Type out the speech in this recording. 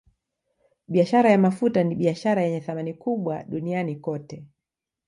Biashara ya mafuta ni biashara yenye thamani kubwa duniani kote